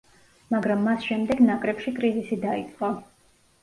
მაგრამ მას შემდეგ ნაკრებში კრიზისი დაიწყო.